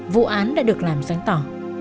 vụ án đã được làm sáng tỏ